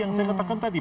yang saya katakan tadi